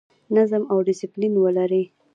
نظم او ډیسپلین ولرئ